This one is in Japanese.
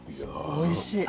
おいしい。